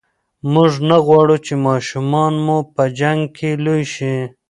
موږ نه غواړو چې ماشومان مو په جنګ کې لوي شي.